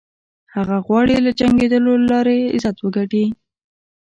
هغه غواړي له جنګېدلو له لارې عزت وګټي.